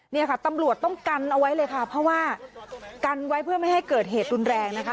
เนี่ยค่ะตำรวจต้องกันเอาไว้เลยค่ะเพราะว่ากันไว้เพื่อไม่ให้เกิดเหตุรุนแรงนะคะ